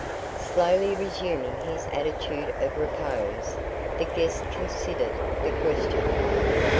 Slowly resuming his attitude of repose, the guest considered the question.